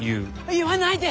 言わないで！